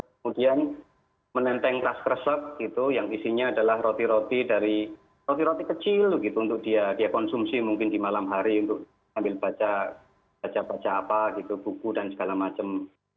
kemudian menenteng tas kresek gitu yang isinya adalah roti roti dari roti roti kecil gitu untuk dia konsumsi mungkin di malam hari untuk ambil baca baca apa gitu buku dan segala macam